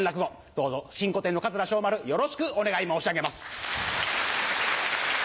どうぞ新古典の桂翔丸よろしくお願い申し上げます。